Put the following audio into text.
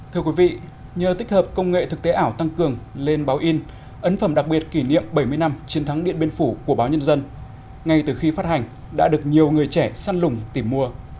thưa quý vị nhờ tích hợp công nghệ thực tế ảo tăng cường lên báo in ấn phẩm đặc biệt kỷ niệm bảy mươi năm chiến thắng điện biên phủ của báo nhân dân ngay từ khi phát hành đã được nhiều người trẻ săn lùng tìm mua